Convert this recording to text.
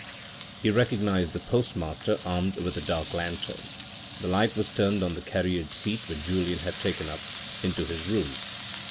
He recognised the postmaster armed with a dark lantern. The light was turned on the carriage seat which Julien had had taken up into his room.